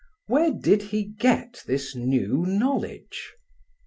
Where did he get this new knowledge?